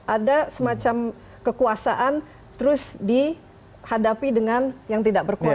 ada semacam kekuasaan terus dihadapi dengan yang tidak berkuasa